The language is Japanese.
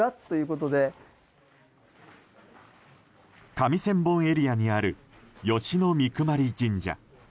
上千本エリアにある吉野水分神社。